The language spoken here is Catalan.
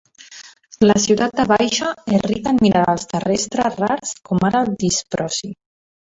La ciutat de Baisha és rica en minerals terrestres rars com ara el disprosi.